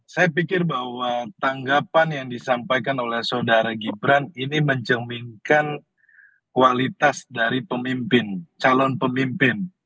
saya pikir bahwa tanggapan yang disampaikan oleh saudara gibran ini mencerminkan kualitas dari pemimpin calon pemimpin